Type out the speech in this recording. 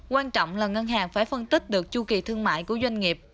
quan trọng là ngân hàng phải phân tích được chu kỳ thương mại của doanh nghiệp